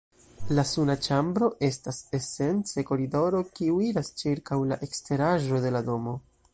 la suna ĉambro estas esence koridoro kiu iras ĉirkaŭ la eskteraĵo de la domo.